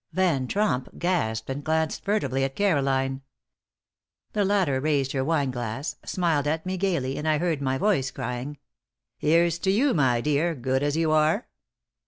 Van Tromp gasped and glanced furtively at Caroline. The latter raised her wine glass, smiled at me gaily, and I heard my voice crying: "Here's to you, my dear, good as you are!"